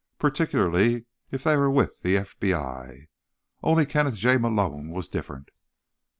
Particularly if they were with the FBI. Only Kenneth J. Malone was different.